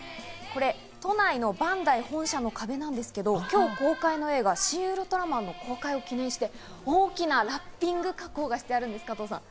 これ都内のバンダイ本社の壁なんですけど、今日公開の映画『シン・ウルトラマン』の公開を記念して、大きなラッピング加工がしてあるんです。